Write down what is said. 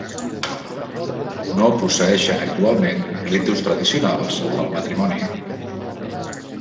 No posseeixen actualment ritus tradicionals pel matrimoni.